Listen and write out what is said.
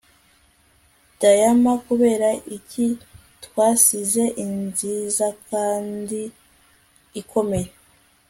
Diyama kubera iki twasize inziza kandi ikomeye